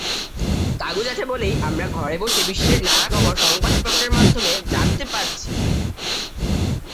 কাগজ আছে বলেই আমরা ঘরে বসে বিশ্বের নানা খবর সংবাদপত্রের মাধ্যমে জানতে পারছি।